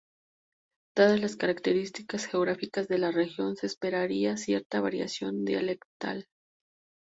Dadas las características geográficas de la región se esperaría cierta variación dialectal.